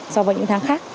so với những tháng khác